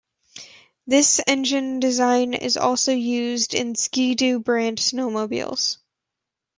This engine design is also used in Ski-Doo brand snowmobiles.